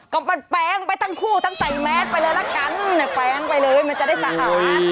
ก็มันแปลงไปทั้งคู่ทั้งใส่แมสไปเลยละกันแปลงไปเลยมันจะได้สะอาด